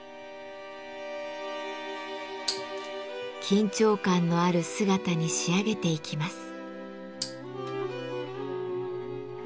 緊張感のある姿に仕上げていきます。